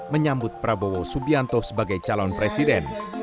menyambut prabowo subianto sebagai calon presiden